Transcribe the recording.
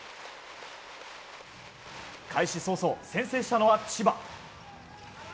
開始早々、先制したのは千葉。